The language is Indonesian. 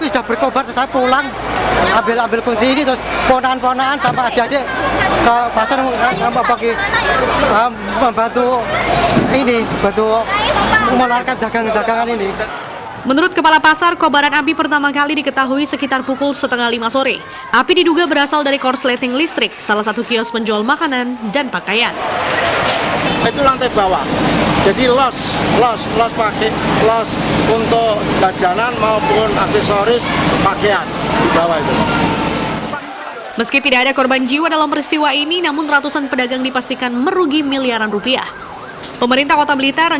jangan jangan jangan